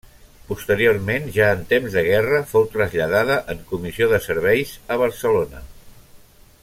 Posteriorment, ja en temps de guerra, fou traslladada en comissió de serveis a Barcelona.